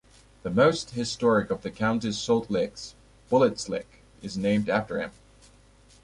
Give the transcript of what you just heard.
The most historic of the county's salt licks, Bullitt's Lick, is named after him.